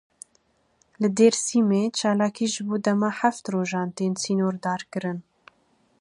Li Dêrsîmê çalakî ji bo dema heft rojan tên sînordarkirin.